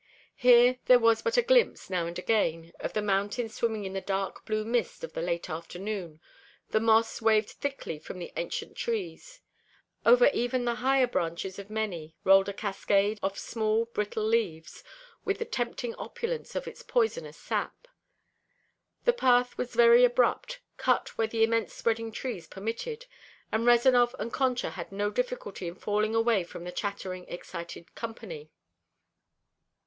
Here there was but a glimpse, now and again, of the mountains swimming in the dark blue mist of the late afternoon, the moss waved thickly from the ancient trees; over even the higher branches of many rolled a cascade of small brittle leaves, with the tempting opulence of its poisonous sap. The path was very abrupt, cut where the immense spreading trees permitted, and Rezanov and Concha had no difficulty in falling away from the chattering, excited company.